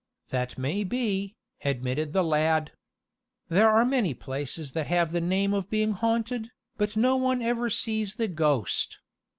"That may be," admitted the lad. "There are many places that have the name of being haunted, but no one ever sees the ghost.